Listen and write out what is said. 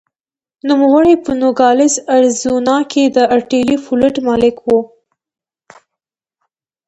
نوموړی په نوګالس اریزونا کې د ارټلي فلوټ مالک و.